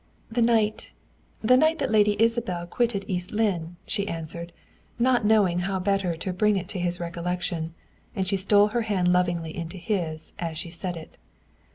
"The night the night that Lady Isabel quitted East Lynne," she answered, not knowing how better to bring it to his recollection and she stole her hand lovingly into his, as she said it.